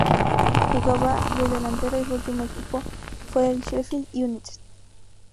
Jugaba de delantero y su último equipo fue el Sheffield United.